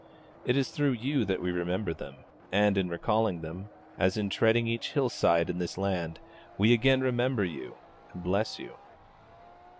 It is through you that we remember them; and in recalling them, as in treading each hillside in this land, we again remember you and bless you.